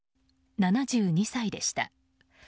７２歳でした。